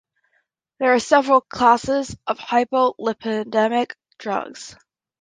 There are several classes of hypolipidemic drugs.